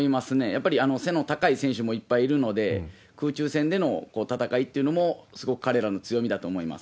やっぱり背の高い選手もいっぱいいるので、空中戦での戦いっていうのも、すごく彼らの強みだと思います。